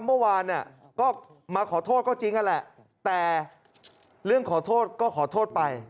เมื่อวานเนี่ยก็มาขอโทษก็จริงนั่นแหละแต่เรื่องขอโทษก็ขอโทษไป